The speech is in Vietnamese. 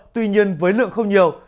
tuy nhiên với lượng không nhiều